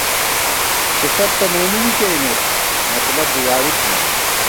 صفت تہ مونی می کېئیمېت ، مطلب بی وری تھِمان